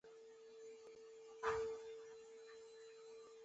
د ملي انحرافاتو پر ضد دې قیام تیاره کړي.